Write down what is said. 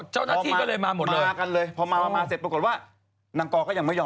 อ๋อเจ้าหน้าที่ก็เลยมาหมดเลย